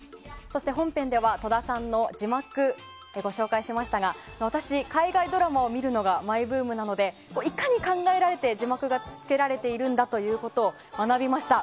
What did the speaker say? そして、本編では戸田さんの字幕をご紹介しましたが私、海外ドラマを見るのがマイブームなのでいかに考えられて字幕がつけられているんだということを学びました。